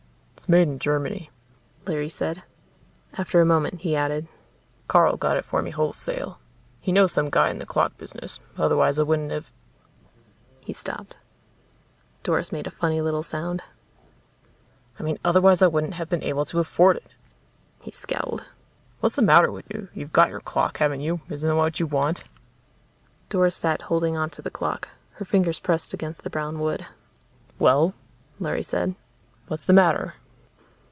"It's made in Germany," Larry said. After a moment he added, "Carl got it for me wholesale. He knows some guy in the clock business. Otherwise I wouldn't have " He stopped. Doris made a funny little sound. "I mean, otherwise I wouldn't have been able to afford it." He scowled. "What's the matter with you? You've got your clock, haven't you? Isn't that what you want?" Doris sat holding onto the clock, her fingers pressed against the brown wood. "Well," Larry said, "what's the matter?"